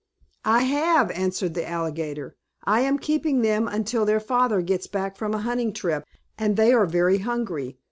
"I have!" answered the alligator. "I am keeping them until their father gets back from a hunting trip, and they are very hungry.